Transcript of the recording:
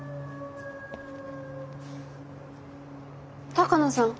鷹野さん？